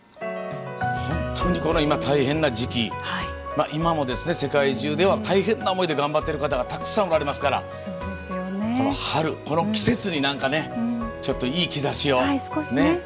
本当に今、この大変な時期今も世界中では大変な思いで頑張ってる方がたくさんおられますからこの春この季節に何か、ちょっといい兆しをね。